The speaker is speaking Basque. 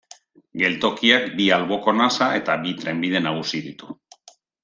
Geltokiak bi alboko nasa eta bi trenbide nagusi ditu.